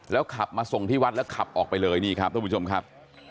ขับมาส่งที่วัดแล้วขับออกไปเลยนี่ครับท่านผู้ชมครับ